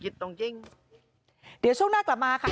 เดี๋ยวช่วงหน้ากลับมาค่ะ